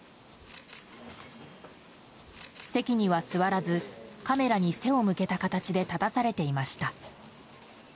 席には座らずカメラに背を向けた形で立たされていました。